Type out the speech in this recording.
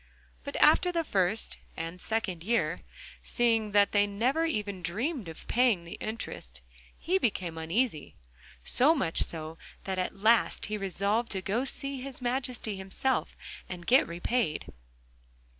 But after the first and second year, seeing that they never even dreamed of paying the interest, he became uneasy, so much so that at last he resolved to go and see His Majesty himself, and get repaid.